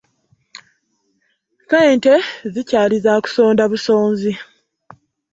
Ssente zikyali za kusonda busonzi.